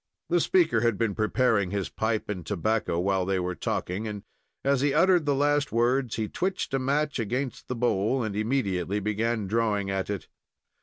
The speaker had been preparing his pipe and tobacco while they were talking, and, as he uttered the last words, he twitched the match against the bowl, and immediately began drawing at it.